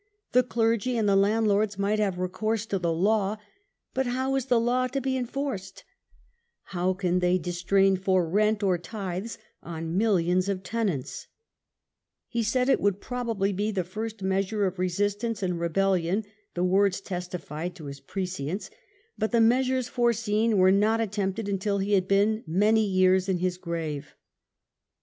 The clergy and the landlords might have recourse to the law. But how is the law to be enforced % How can they distrain for rent or tithes on millions of tenants %" He said it would probably be the first measure of resistance and rebellion; the words testify to his prescience, but the measures foreseen were not attempted until he had been many years in his grave.